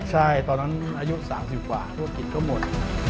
ใช่ตอนนั้นอายุ๓๐กว่าธุรกิจก็หมด